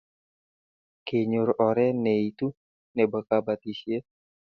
kenyor oret ne itu nebo kabatishiet